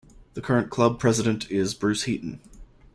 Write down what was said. The current club President is Bruce Heaton.